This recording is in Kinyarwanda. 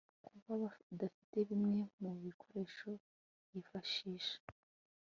kuba adafite bimwe mu bikoresho yifashisha